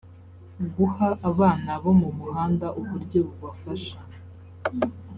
guha abana bo muhanda uburyo bubafasha